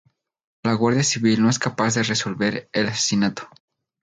La guardia civil no es capaz de resolver el asesinato.